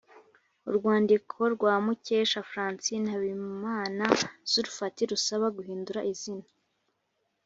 Urwandiko rwa Mucyesha Francine habimana zulfat rusaba guhindura izina